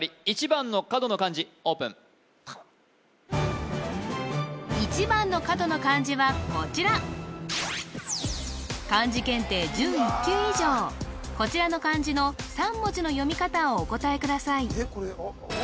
１番の角の漢字オープン１番の角の漢字はこちらこちらの漢字の３文字の読み方をお答えください